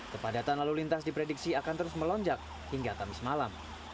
kepadatan lalu lintas diprediksi akan terus melonjak hingga kamis malam